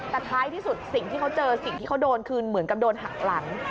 แต่ท้ายที่สุดสิ่งที่เขาเจอสิ่งที่เขาโดนคือเหมือนกับโดนหักหลัง